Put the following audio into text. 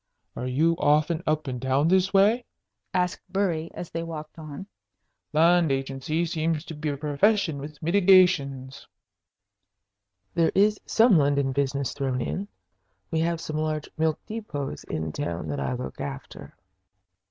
"Are you often up in town this way?" asked Bury, as they walked on. "Land agency seems to be a profession with mitigations." "There is some London business thrown in. We have some large milk depots in town that I look after."